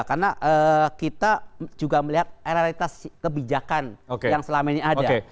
karena kita juga melihat realitas kebijakan yang selama ini ada